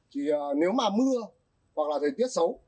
thì nếu mà mưa hoặc là thời tiết xấu